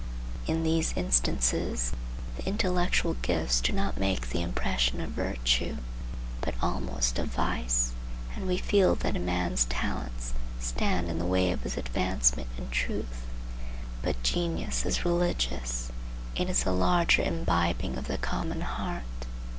In these instances the intellectual gifts do not make the impression of virtue, but almost of vice; and we feel that a man's talents stand in the way of his advancement in truth. But genius is religious. It is a larger imbibing of the common heart.